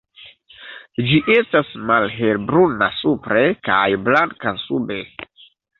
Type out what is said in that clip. Ĝi estas malhelbruna supre kaj blanka sube.